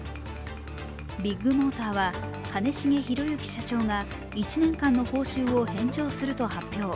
ビッグモーターは兼重宏行社長が１年間の報酬を返上すると発表。